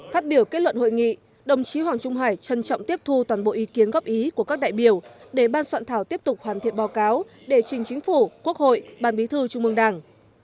phát biểu kết luận hội nghị đồng chí hoàng trung hải trân trọng tiếp thu toàn bộ ý kiến góp ý của các đại biểu để ban soạn thảo tiếp tục hoàn thiện báo cáo để trình chính phủ quốc hội ban bí thư trung mương đảng